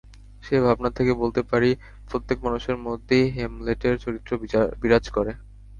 সেই ভাবনা থেকে বলতে পারি, প্রত্যেক মানুষের মধ্যেই হ্যামলেটের চরিত্র বিরাজ করে।